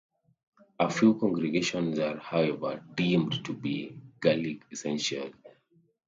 A few congregations are, however, deemed to be 'Gaelic essential'.